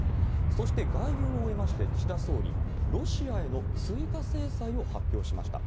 そして外遊を終えまして岸田総理、ロシアへの追加制裁を発表しました。